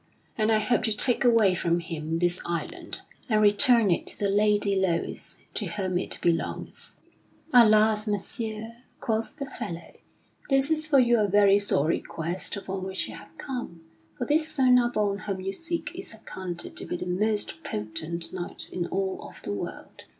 And I hope to take away from him this island and return it to the Lady Loise, to whom it belongeth." "Alas, Messire," quoth the fellow, "this is for you a very sorry quest upon which you have come. For this Sir Nabon whom you seek is accounted to be the most potent knight in all of the world.